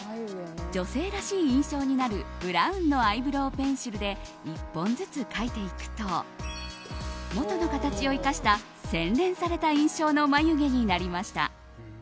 女性らしい印象になるブラウンのアイブローペンシルで１本ずつ描いていくと元の形を生かした洗練された印象の眉毛になりました。